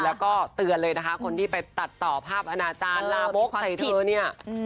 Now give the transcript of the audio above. แล้วก็เตือนเลยนะคะคนที่ไปตัดต่อภาพอนาจารย์ลาบกใส่เธอเนี่ย